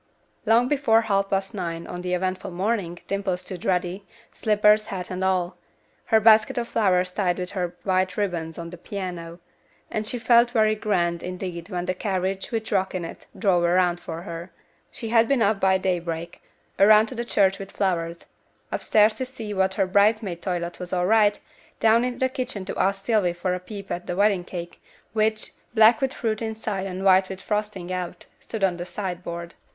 Long before half past nine on the eventful morning Dimple stood ready, slippers, hat and all; her basket of flowers tied with white ribbons on the piano; and she felt very grand, indeed, when the carriage, with Rock in it, drove around for her. She had been up by daybreak, around to the church with flowers, upstairs to see that her bridesmaid toilet was all right, down into the kitchen to ask Sylvy for a peep at the wedding cake, which, black with fruit inside and white with frosting out, stood on the sideboard.